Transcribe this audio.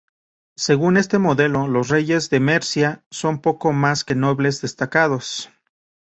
Según este modelo los reyes de Mercia son poco más que nobles destacados.